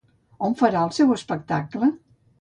On farà el seu espectacle?